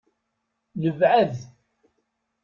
Nebɛed.